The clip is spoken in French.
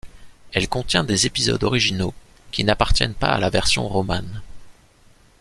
Elle contient des épisodes originaux, qui n’appartiennent pas à la version romane.